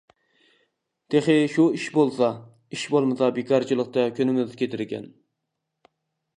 تېخى شۇ ئىش بولسا، ئىش بولمىسا بىكارچىلىقتا كۈنىمىز كېتىدىكەن.